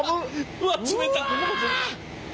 うわっ冷たっ！